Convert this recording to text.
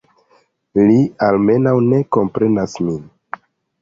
Li, almenaŭ, ne komprenas min.